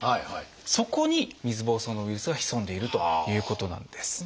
そこに水ぼうそうのウイルスが潜んでいるということなんです。